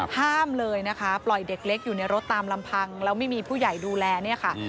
ห้ามเลยนะคะปล่อยเด็กเล็กอยู่ในรถตามลำพังแล้วไม่มีผู้ใหญ่ดูแลเนี่ยค่ะ